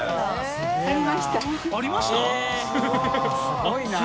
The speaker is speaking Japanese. すごいな。